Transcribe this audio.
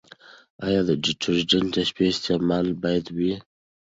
ایا ډیوډرنټ د شپې استعمال باید وي؟